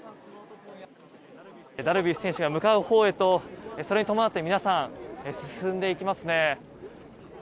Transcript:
ダルビッシュ選手が向かうほうへとそれに伴って皆さん、進んでいきますね。